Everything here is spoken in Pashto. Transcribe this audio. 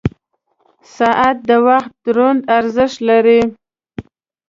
• ساعت د وخت دروند ارزښت لري.